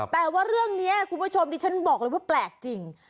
แต่ว่าเรื่องนี้คุณผู้ชมดิฉันบอกเลยว่าแปลกจริง